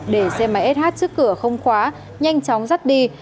để xe máy sh trước cửa không khóa nhanh chóng rắt đi